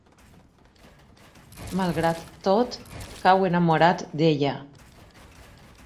Malgrat tot, cau enamorat d'ella.